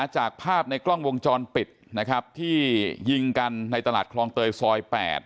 จากภาพในกล้องวงจรปิดนะครับที่ยิงกันในตลาดคลองเตยซอย๘